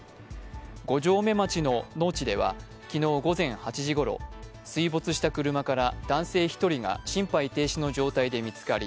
五城目町の農地では昨日午前８時ごろ、水没した車から男性１人が心肺停止の状態で見つかり